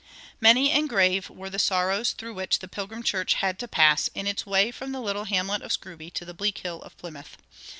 Many and grave were the sorrows through which the Pilgrim church had to pass in its way from the little hamlet of Scrooby to the bleak hill of Plymouth.